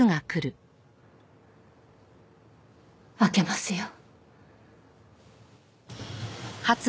開けますよ。